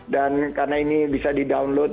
dan karena ini bisa di download